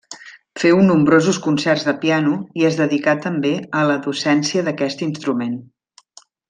Féu nombrosos concerts de piano i es dedicà també a la docència d'aquest instrument.